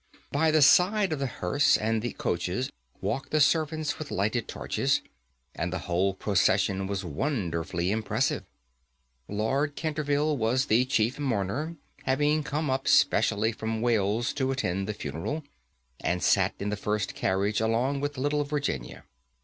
By the side of the hearse and the coaches walked the servants with lighted torches, and the whole procession was wonderfully impressive. Lord Canterville was the chief mourner, having come up specially from Wales to attend the funeral, and sat in the first carriage along with little Virginia.